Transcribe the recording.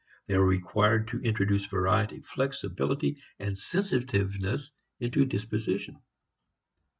They are required to introduce variety, flexibility and sensitiveness into disposition.